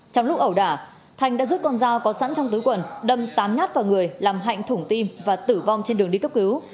trong lúc ẩu đả thanh đã rút con dao có sẵn trong túi quần đâm tám nhát vào người làm hạnh thủng tim và tử vong trên đường đi cấp cứu